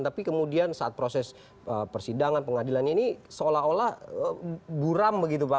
tapi kemudian saat proses persidangan pengadilannya ini seolah olah buram begitu pak